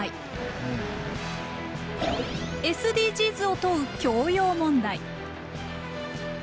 ＳＤＧｓを問う教養問題。